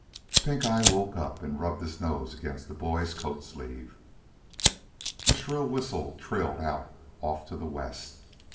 Pink eye woke up and rubbed his nose against the boy's coat sleeve. A shrill whistle trilled out off to the west.